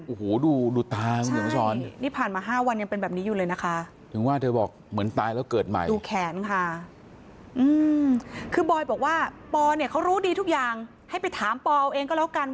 โอ้โหดูตาคุณเขียนมาสอนนี่ผ่านมา๕วันยังเป็นแบบนี้อยู่เลยนะคะถึงว่าเธอบอกเหมือนตายแล้วเกิดใหม่ดูแขนค่ะคือบอยบอกว่าปอเนี่ยเขารู้ดีทุกอย่างให้ไปถามปอเอาเองก็แล้วกัน